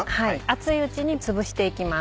熱いうちにつぶしていきます。